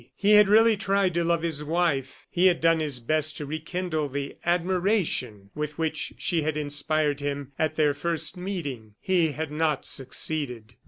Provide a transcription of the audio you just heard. He had really tried to love his wife; he had done his best to rekindle the admiration with which she had inspired him at their first meeting. He had not succeeded.